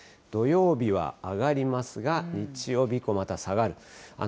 土曜日は上がりますが、日曜日以降また下がる。